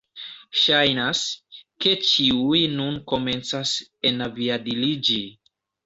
Ŝajnas, ke ĉiuj nun komencas enaviadiliĝi